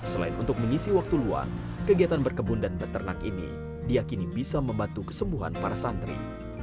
selain untuk mengisi waktu luang kegiatan berkebun dan beternak ini diakini bisa membantu kesembuhan para santri